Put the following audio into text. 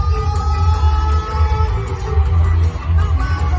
มันเป็นเมื่อไหร่แล้ว